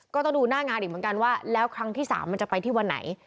ก็ต้องดูหน้างานอีกเหมือนกันว่าแล้วครั้งที่๓มันจะไปที่วันไหน